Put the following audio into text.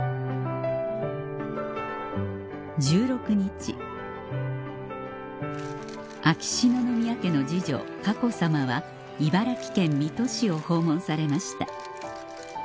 １６日秋篠宮家の次女佳子さまは茨城県水戸市を訪問されました